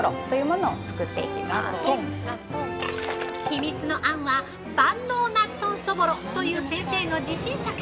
◆秘密の餡は「万能なっ豚そぼろ」という先生の自信作！